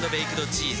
チーズ！